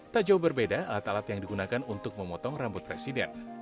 tak jauh berbeda alat alat yang digunakan untuk memotong rambut presiden